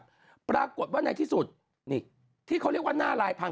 แล้วปรากฏว่าในที่สุดนี่ที่เขาเรียกว่าหน้าลายพัง